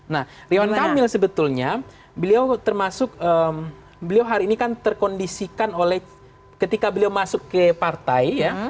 nah ridwan kamil sebetulnya beliau termasuk beliau hari ini kan terkondisikan oleh ketika beliau masuk ke partai ya